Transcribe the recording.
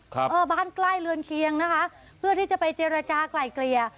เออบ้านใกล้เรือนเคียงนะคะเพื่อที่จะไปเจรจากลายเกลี่ย